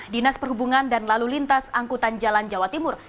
dinas perhubungan dan lalu lintas angkutan jalan jawa timur